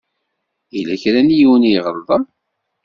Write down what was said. Yella kra n yiwen i iɣelḍen.